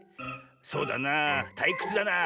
『そうだなあ。たいくつだなあ。